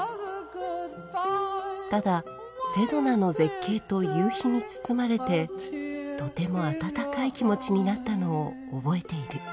ただセドナの絶景と夕日に包まれてとても温かい気持ちになったのを覚えている。